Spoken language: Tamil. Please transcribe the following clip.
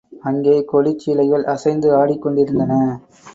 அங்கே கொடிச்சீலைகள் அசைந்து ஆடிக்கொண்டிருந்தன.